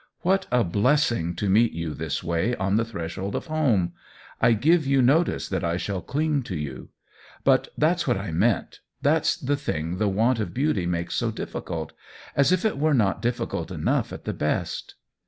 " What a blessing to meet you this way on the threshold of home ! I give you no tice that I shall cling to you. But that's what I meant ; that's the thing the want of beauty makes so difficult — as if it were not difficult enough at the best."